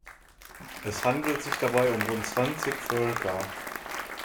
Es handelt sich dabei um rund zwanzig Völker.